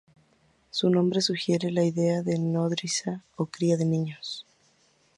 Su nombre sugiere la idea de nodriza o cría de niños.